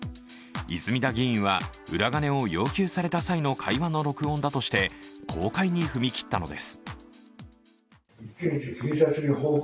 泉田議員は、裏金を要求された際の会話の録音だとして公開に踏み切ったのです。